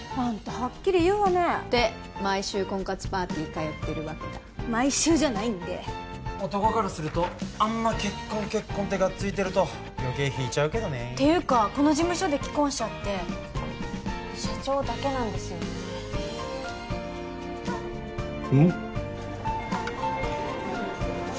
ハッキリ言うわねで毎週婚活パーティー通ってるわけだ毎週じゃないんで男からするとあんま結婚結婚ってがっついてるとよけい引いちゃうけどねっていうかこの事務所で既婚者って社長だけなんですよねうん？